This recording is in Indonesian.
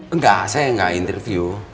enggak saya enggak interview